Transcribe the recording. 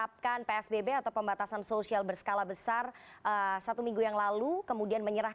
pembatasan sosial berskala besar